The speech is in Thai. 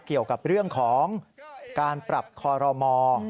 เกี่ยวกับเรื่องของการปรับคอรมอ